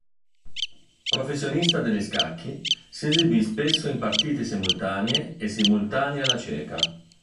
Professionista degli scacchi, si esibì spesso in partite simultanee e simultanee alla cieca.